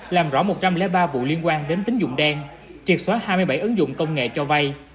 làm rõ một trăm linh ba vụ liên quan đến tính dụng đen triệt xóa hai mươi bảy ứng dụng công nghệ cho vay